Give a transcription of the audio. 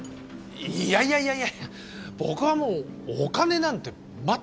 いやいやいやいや僕はもうお金なんてまったく